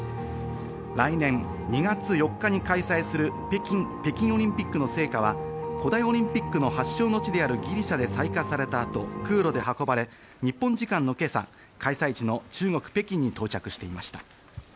来年２月４日に開催する北京オリンピックの聖火は古代オリンピックの発祥の地であるギリシャで採火された後、空路で運ばれ、日本時間の今朝、開催地の中国・北京に到着していました。